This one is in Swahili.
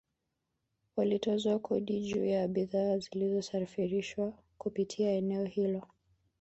Walitoza kodi juu ya bidhaa zilizosafirishwa kupitia eneo hilo